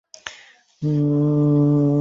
তুমি আমার মনের কথা শোন।